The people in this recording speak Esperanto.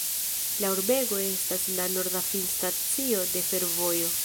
La urbego estas la norda finstacio de fervojo.